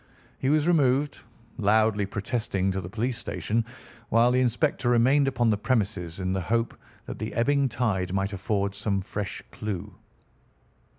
He was removed, loudly protesting, to the police station, while the inspector remained upon the premises in the hope that the ebbing tide might afford some fresh clue.